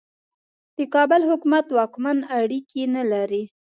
د کابل حکومت واکمن اړیکې نه لري.